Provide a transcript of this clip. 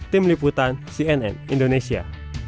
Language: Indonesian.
tim liputan cnn indonesia